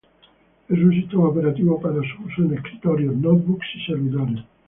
Es un sistema operativo para su uso en escritorios, "notebooks" y servidores.